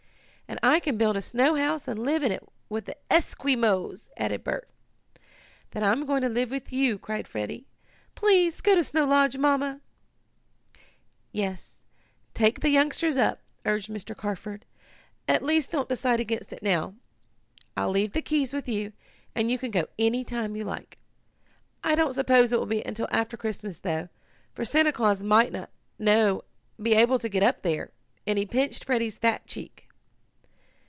"And I can build a snowhouse and live in it like the Esquimos," added Bert. "Then I'm going to live with you!" cried Freddie. "Please go to Snow Lodge, Mamma!" "Yes, take the youngsters up," urged Mr. Carford. "At least don't decide against it now. I'll leave the keys with you, and you can go any time you like. I don't suppose it will be until after Christmas, though, for Santa Claus might not be able to get up there," and he pinched Freddie's fat cheek.